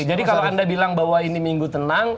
jadi kalau anda bilang bahwa ini minggu tenang